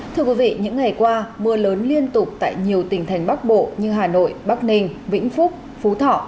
thưa quý vị những ngày qua mưa lớn liên tục tại nhiều tỉnh thành bắc bộ như hà nội bắc ninh vĩnh phúc phú thọ